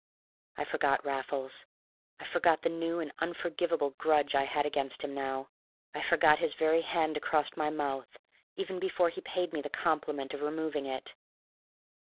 I forgot Raffles. I forgot the new and unforgivable grudge I had against him now. I forgot his very hand across my mouth, even before he paid me the compliment of removing it.